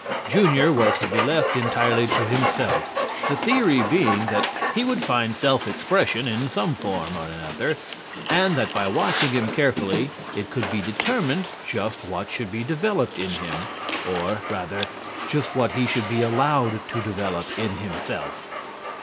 Junior was to be left entirely to himself, the theory being that he would find self expression in some form or other, and that by watching him carefully it could be determined just what should be developed in him, or, rather, just what he should be allowed to develop in himself.